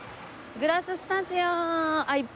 グラススタジオ！